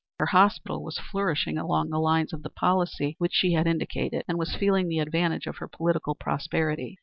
Her hospital was flourishing along the lines of the policy which she had indicated, and was feeling the advantage of her political prosperity.